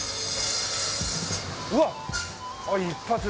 うわっ一発で！